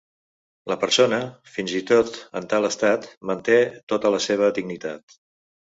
La persona, fins i tot en tal estat, manté tota la seva dignitat.